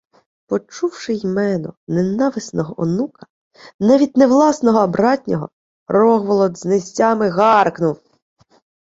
Почувши ймено ненависного онука, навіть не власного, а братнього, Рогволод знестями гаркнув: